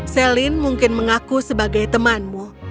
celine mungkin mengaku sebagai temanmu